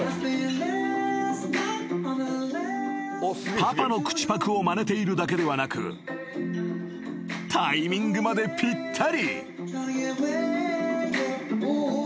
［パパの口パクをまねているだけではなくタイミングまでぴったり］